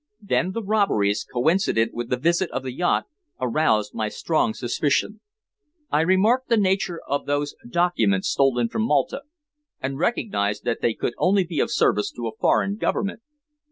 Then the robberies, coincident with the visit of the yacht, aroused my strong suspicion. I remarked the nature of those documents stolen from Malta, and recognized that they could only be of service to a foreign government.